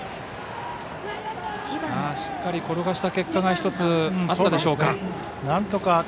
しっかり転がした結果が１つあったでしょうか。